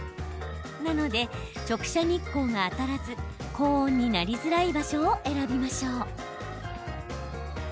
なので、直射日光が当たらず高温になりづらい場所を選びましょう。